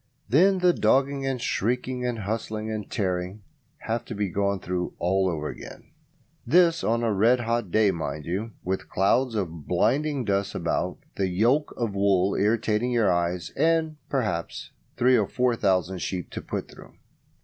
Then the dogging and shrieking and hustling and tearing have to be gone through all over again. (This on a red hot day, mind you, with clouds of blinding dust about, the yolk of wool irritating your eyes, and, perhaps, three or four thousand sheep to put through).